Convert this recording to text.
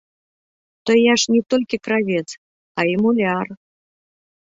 То я ж не толькі кравец, а і муляр.